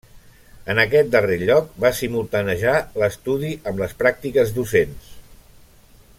En aquest darrer lloc va simultaniejar l'estudi amb les pràctiques docents.